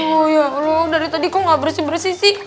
aduh ya allah dari tadi kok gak bersih bersih sih